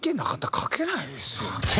書けないですよ。